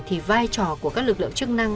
thì vai trò của các lực lượng chức năng